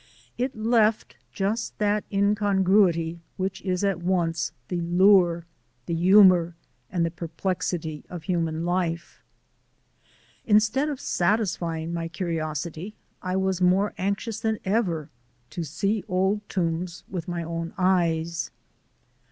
It left just that incongruity which is at once the lure, the humour, and the perplexity of human life. Instead of satisfying my curiosity I was more anxious than ever to see Old Toombs with my own eyes.